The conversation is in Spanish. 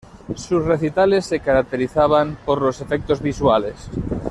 Sus recitales se caracterizaban por los efectos visuales.